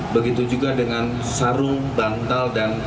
begitu juga dengan sarung bantal dan